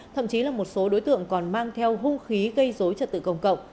thậm chí là một số đối tượng còn mang theo hung khí gây dối trật tự công cộng